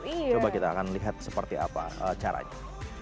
coba kita akan lihat seperti apa caranya